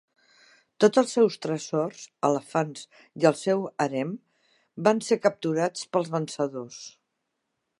Tots els seus tresors, elefants i el seu harem van ser capturats pels vencedors.